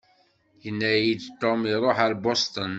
Yenna-yi-d Tom iṛuḥ ar Boston.